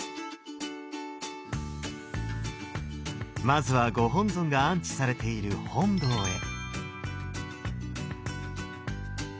まずはご本尊が安置されている本堂へ。